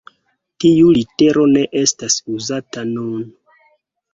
Tiu litero ne estas uzata nun.